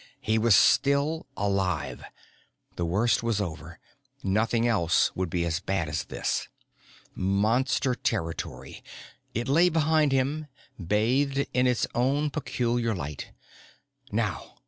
He was still alive. The worst was over. Nothing else would be as bad as this. Monster territory. It lay behind him, bathed in its own peculiar light. Now.